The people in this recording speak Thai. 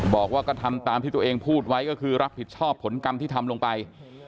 บอกว่าก็ทำตามที่ตัวเองพูดไว้ก็คือรับผิดชอบผลกรรมที่ทำลงไป